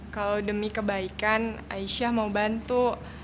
kalau demi kebaikan aisyah mau bantu